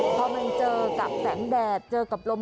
พอมันเจอกับแสงแดดเจอกับลม